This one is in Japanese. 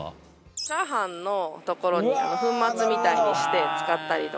チャーハンのところに粉末みたいにして使ったりとか。